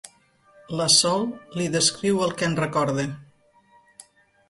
La Sol li descriu el que en recorda.